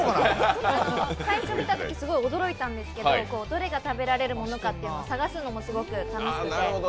最初は驚いたんですけどどれが食べられるものかって探すのもすごく楽しくて。